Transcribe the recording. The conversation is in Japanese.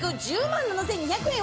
１０万７，２００円。